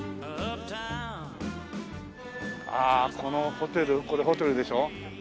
ああこのホテルこれホテルでしょ？